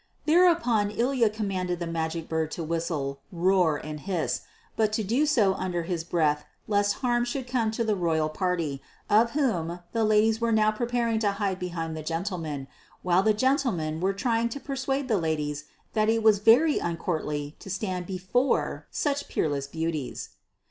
Thereupon Ilya commanded the Magic Bird to whistle, roar and hiss, but to do so under his breath lest harm should come to the royal party, of whom the ladies were now preparing to hide behind the gentlemen, while the gentlemen were trying to persuade the ladies that it was very uncourtly to stand before such peerless beauties.